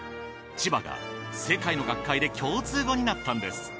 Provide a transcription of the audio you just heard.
「チバ」が世界の学会で共通語になったんです。